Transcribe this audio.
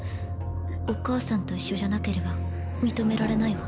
お母さんと一緒じゃなければ認められないわ。